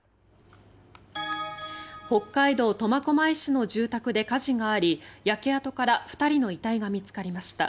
北海道苫小牧市の住宅で火事があり焼け跡から２人の遺体が見つかりました。